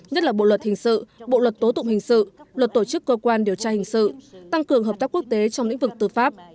nhất là bộ luật hình sự bộ luật tố tụng hình sự luật tổ chức cơ quan điều tra hình sự tăng cường hợp tác quốc tế trong lĩnh vực tư pháp